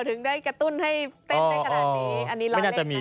ถึงได้กระตุ้นให้เต้นได้ขนาดนี้